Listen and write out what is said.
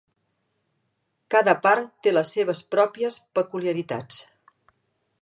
Cada part té les seves pròpies peculiaritats.